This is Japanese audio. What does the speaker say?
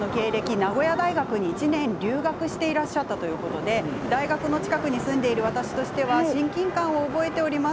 名古屋大学に１年留学していらっしゃったということで大学の近くに住んでいる私としては親近感を覚えております。